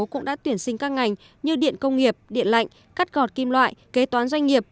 cũng đã tuyển sinh các ngành như điện công nghiệp điện lạnh cắt gọt kim loại kế toán doanh nghiệp